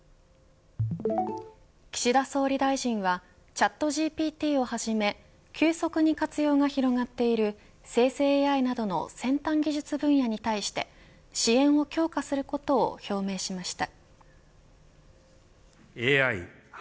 岸田総理大臣はチャットＧＰＴをはじめ急速に活用が広がっている生成ＡＩなどの先端技術分野に対して支援を強化することを表明しました。